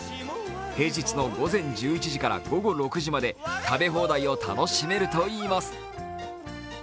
平日の午前１１時から午後６時まで食べ放題を楽しめるといいます。